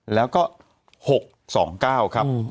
แล้วก็๖๒๙ครับ